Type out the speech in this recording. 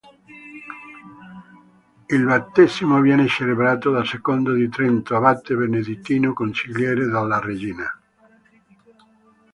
Il battesimo viene celebrato da Secondo di Trento, abate benedettino consigliere della regina.